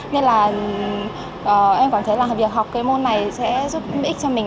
nên là em cảm thấy là việc học cái môn này sẽ giúp ích cho mình